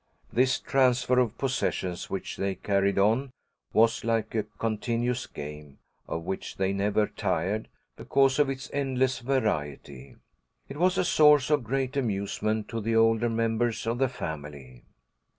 This transfer of possessions which they carried on was like a continuous game, of which they never tired, because of its endless variety. It was a source of great amusement to the older members of the family.